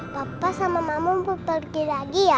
papa sama mama mau pergi lagi ya